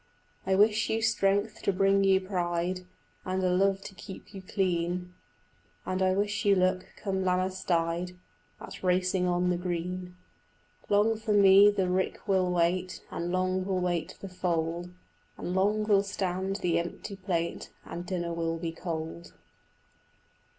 "I wish you strength to bring you pride, And a love to keep you clean, And I wish you luck, come Lammastide, At racing on the green." "Long for me the rick will wait, And long will wait the fold, And long will stand the empty plate, And dinner will be cold."